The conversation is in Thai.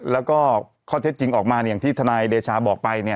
แล้วก็ข้อเท็จจริงออกมาอย่างที่ทนายเดชาบอกไป